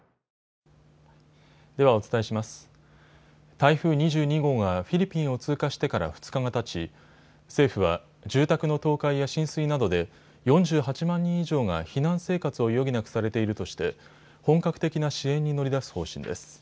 台風２２号がフィリピンを通過してから２日がたち、政府は住宅の倒壊や浸水などで４８万人以上が避難生活を余儀なくされているとして本格的な支援に乗り出す方針です。